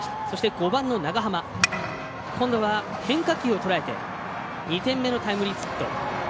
５番の長濱今度は変化球をとらえて２点目のタイムリーヒット。